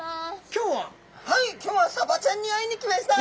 今日はサバちゃんに会いに来ました。